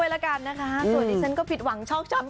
ตื่นขึ้นมาจะเที่ยงอยู่แล้วพี่ก็กระดูกเหมือนโดนติดต้นใจ